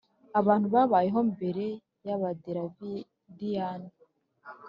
abantu babayeho mbere y’abadiravidiyani [bari bafite uruhu rwirabura].